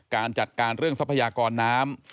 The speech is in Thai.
การจัดการเรื่องทรัพยากรน้ำ